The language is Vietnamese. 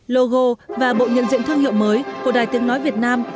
logo và bộ nhận diện thương hiệu mới của đài tiếng nói việt nam